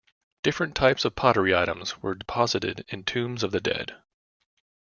Different types of pottery items were deposited in tombs of the dead.